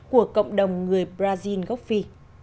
của cộng đồng người brazil gốc phi